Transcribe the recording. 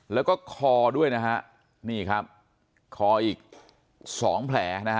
แล้วก็คอด้วยนะครับนี่ครับคออีก๒แผลนะครับ